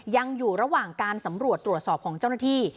ยังอยู่ระหว่างการสำรวจตรวจสอบของเจ้าหน้าที่